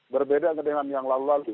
berbeda dengan yang lalu lalu